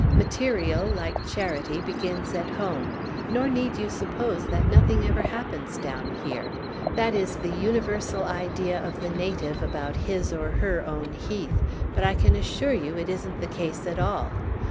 Material, like charity, begins at home; nor need you suppose that nothing ever happens down here. That is the universal idea of the native about his or her own heath, but I can assure you it isn't the case at all.